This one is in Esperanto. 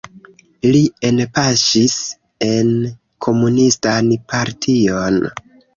Li enpaŝis en komunistan partion.